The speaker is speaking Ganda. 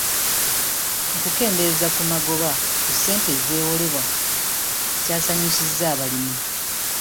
Okukendeeza ku magoba ku ssente ezeewolebwa kyasanyusizza abalimi.